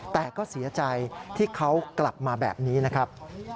แต่ก็เสียใจที่เขากลับมาแบบนี้นะครับ